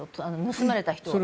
盗まれた人は。